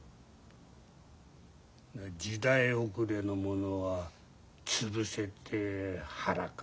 時代遅れのものは潰せって腹か。